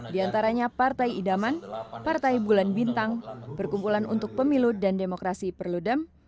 di antaranya partai idaman partai bulan bintang perkumpulan untuk pemilu dan demokrasi perludem